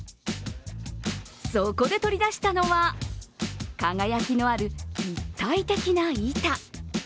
そこで取り出したのは輝きのある立体的な板。